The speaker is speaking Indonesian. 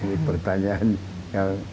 ini pertanyaan yang